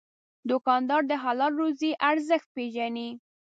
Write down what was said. دوکاندار د حلال روزي ارزښت پېژني.